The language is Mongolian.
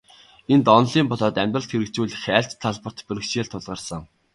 Энд, онолын болоод амьдралд хэрэгжүүлэх аль ч талбарт бэрхшээл тулгарсан.